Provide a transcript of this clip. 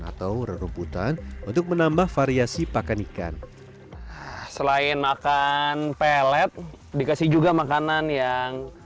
atau rumputan untuk menambah variasi pakan ikan selain makan pelet dikasih juga makanan yang